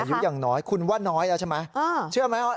อายุอย่างน้อยคุณว่าน้อยแล้วใช่มั้ย